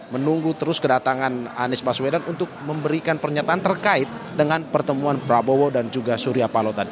menunggu terus kedatangan anies baswedan untuk memberikan pernyataan terkait dengan pertemuan prabowo dan juga surya palo tadi